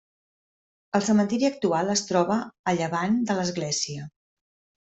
El cementiri actual es troba a llevant de l'església.